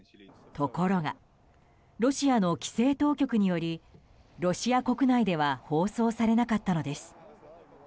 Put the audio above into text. ところがロシアの規制当局によりロシア国内では放送されなかったのです。